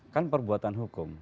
kan perbuatan hukum